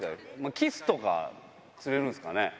キスとか釣れるんですかね。